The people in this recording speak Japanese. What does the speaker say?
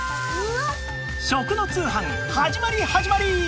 食の通販始まり始まり！